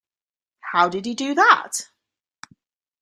How did he do that?